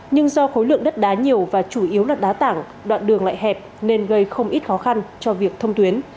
nhưng do khối lượng đất đá nhiều và chủ yếu là đá tảng đoạn đường lại hẹp nên gây không ít khó khăn cho việc thông tuyến